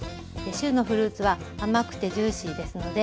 旬のフルーツは甘くてジューシーですので